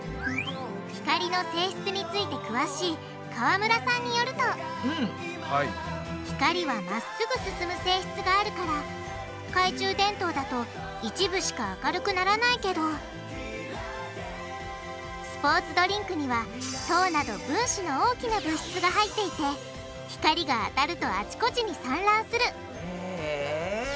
光の性質について詳しい川村さんによると光はまっすぐ進む性質があるから懐中電灯だと一部しか明るくならないけどスポーツドリンクには糖など分子の大きな物質が入っていて光があたるとあちこちに散乱するへぇ。